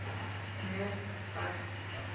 Mer Casp.